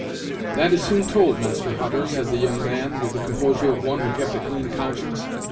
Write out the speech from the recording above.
"That is soon told, Master Hutter," said the young man, with the composure of one who kept a clean conscience.